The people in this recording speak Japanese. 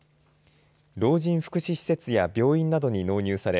老人福祉施設や病院などに納入され